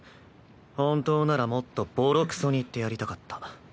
本当ならもっとボロクソに言ってやりたかった。